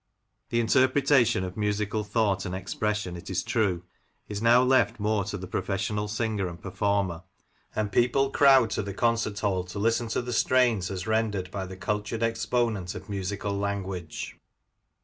The interpretation of musical thought and expression, it is true, is now left more to the professional singer and performer, and people crowd to the concert hall to listen to the strains as rendered by the cultured exponent of musical language.